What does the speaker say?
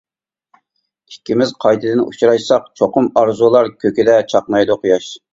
ئىككىمىز قايتىدىن ئۇچراشساق چوقۇم ئارزۇلار كۆكىدە چاقنايدۇ قۇياش.